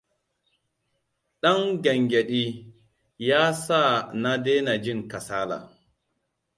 Ɗan gyangyaɗi, ya sa na dena jin kasala.